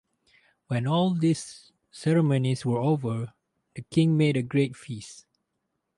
When all these ceremonies were over, the king made a great feast.